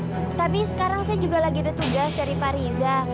tapi sekarang saya juga lagi ada tugas dari pak riza